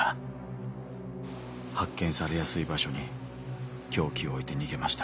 発見されやすい場所に凶器を置いて逃げました。